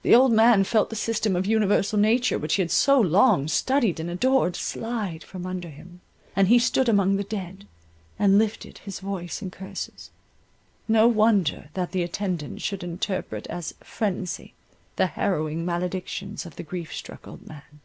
The old man felt the system of universal nature which he had so long studied and adored, slide from under him, and he stood among the dead, and lifted his voice in curses.—No wonder that the attendant should interpret as phrensy the harrowing maledictions of the grief struck old man.